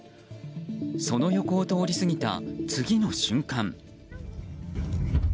その横を通り過ぎた、次の瞬間。